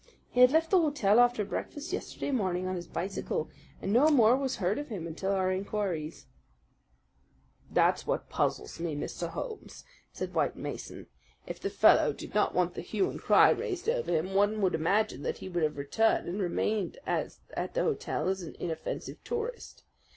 He had left the hotel after breakfast yesterday morning on his bicycle, and no more was heard of him until our inquiries." "That's what puzzles me, Mr. Holmes," said White Mason. "If the fellow did not want the hue and cry raised over him, one would imagine that he would have returned and remained at the hotel as an inoffensive tourist.